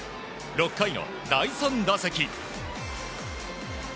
６回の第３打席。